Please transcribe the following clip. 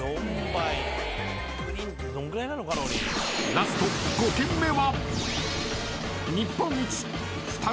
［ラスト５軒目は］